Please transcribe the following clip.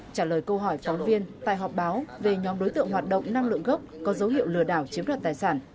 trả lời câu hỏi phóng viên tại họp báo về nhóm đối tượng hoạt động năng lượng gốc có dấu hiệu lừa đảo chiếm đoạt tài sản